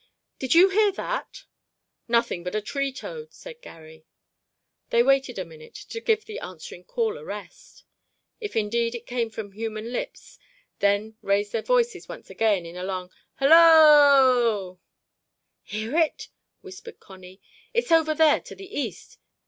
"Did you hear that?" "Nothing but a tree toad," said Garry. They waited a minute to give the answering call a rest, if indeed it came from human lips, then raised their voices once again in a long Helloo. "Hear it?" whispered Connie. "It's over there to the east.